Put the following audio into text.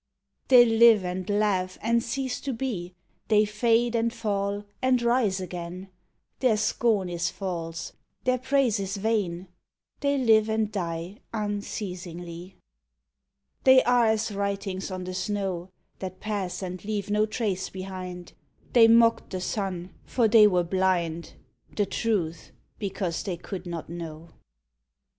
72 THEY They live and laugh and cease to be, They fade and fall and rise again, Their scorn is false, their praise is vain, They live and die unceasingly. They are as writings on the snow, That pass and leave no trace behind ; They mocked the sun, for they were blind, The Truth, because they could not know.